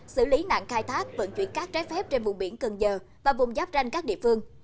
xử lý nạn khai thác vận chuyển cát trái phép trên vùng biển cần giờ và vùng giáp ranh các địa phương